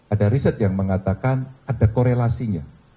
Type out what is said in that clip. ada riset yang mengatakan ada korelasinya